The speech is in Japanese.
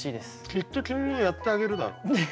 きっと君もやってあげるだろう。